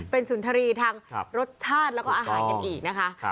เป็นสุนทรีย์ทางรสชาติแล้วก็อาหารกันอีกนะคะ